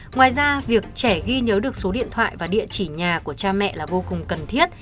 ngoài ra việc trẻ ghi nhớ được số điện thoại và địa chỉ nhà của cha mẹ là vô cùng cần thiết